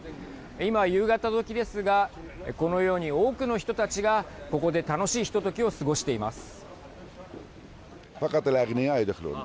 今、夕方時ですがこのように多くの人たちがここで楽しいひとときを過ごしています。